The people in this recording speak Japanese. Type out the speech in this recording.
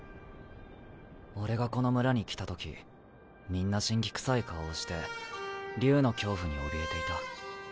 俺がこの村に来た時みんな辛気くさい顔をして竜の恐怖におびえていた。